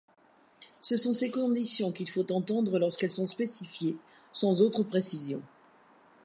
Ce sont ces conditions qu'il faut entendre lorsqu'elles sont spécifiées sans autre précision.